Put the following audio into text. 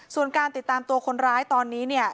ส่วนการติดตามตัวคนร้ายตอนนี้เนี่ย